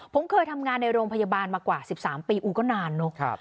ผมเคยทำงานในโรงพยาบาลมากว่า๑๓ปีอู้ก็นานเนอะ